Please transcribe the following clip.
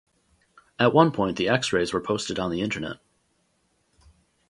At one point the x-rays were posted on the internet.